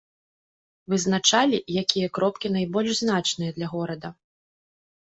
Вызначалі, якія кропкі найбольш значныя для горада.